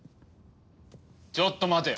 ちょっと待て。